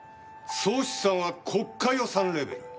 総資産は国家予算レベル。